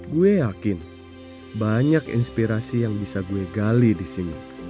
gue yakin banyak inspirasi yang bisa gue gali di sini